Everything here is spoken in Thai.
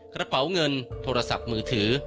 กระเป๋าเงินโทรศัพท์มือถือ